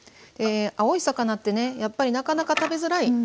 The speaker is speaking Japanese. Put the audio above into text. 青い魚ってねやっぱりなかなか食べづらい。